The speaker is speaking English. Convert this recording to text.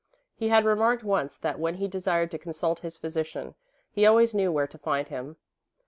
He had remarked once that when he desired to consult his physician, he always knew where to find him.